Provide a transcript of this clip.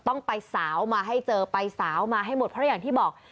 ต้องไปสาวมาให้เจอไปสาวมาให้หมดเพราะอย่างที่บอก